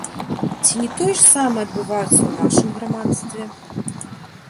Ці не тое ж самае адбываецца ў нашым грамадстве?